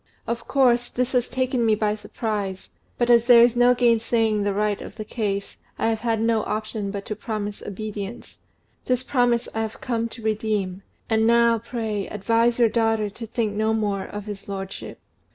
Of course, this has taken me by surprise; but as there is no gainsaying the right of the case, I have had no option but to promise obedience: this promise I have come to redeem; and now, pray, advise your daughter to think no more of his lordship."